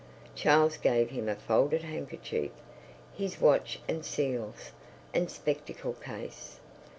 Charles gave him a folded handkerchief, his watch and seals, and spectacle case.